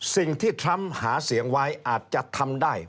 สิ่งที่ทรัมป์หาเสียงวายอาจจะทำได้